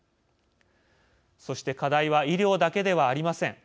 そして課題は医療だけではありません。